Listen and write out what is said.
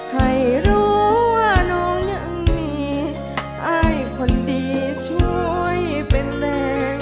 ให้รู้ว่าน้องยังมีอายคนดีช่วยเป็นแรง